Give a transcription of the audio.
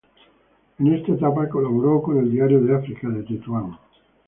En esta etapa colaboró con el "Diario de África", de Tetuán.